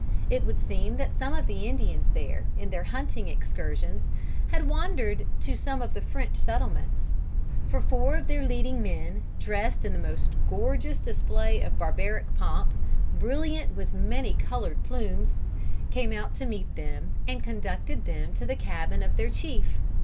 It would seem that some of the Indians there, in their hunting excursions, had wandered to some of the French settlements; for four of their leading men, dressed in the most gorgeous display of barbaric pomp, "brilliant with many colored plumes," came out to meet them and conducted them to the cabin of their chief.